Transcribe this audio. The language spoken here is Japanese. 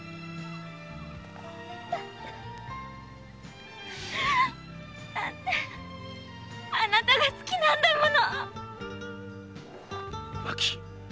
だってだってあなたが好きなんだもの！おまき！